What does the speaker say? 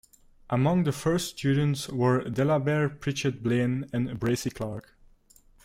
Among the first students were Delabere Pritchett Blaine and Bracy Clark.